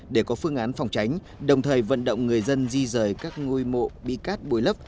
để có phương án phòng tránh đồng thời vận động người dân di rời các ngôi mộ bị cắt bồi lấp